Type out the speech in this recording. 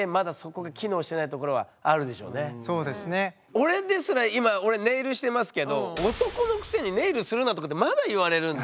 俺ですら今俺ネイルしてますけど「男のくせにネイルするな」とかってまだ言われるんで。